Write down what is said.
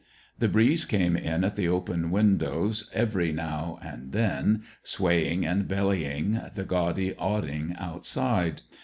The breeze came in at the open windows every now and then, swaying and bellying the gaudy awning outside.